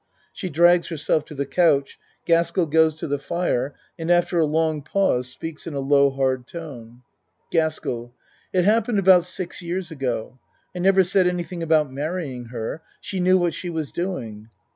(She drags herself to the coucn, Gaskell goes to the fire and after a long pause speaks in a low hard tone.) GASKELL It happened about six years ago. I never said anything about marrying her. She knew what she was doing.